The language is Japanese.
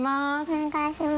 お願いします。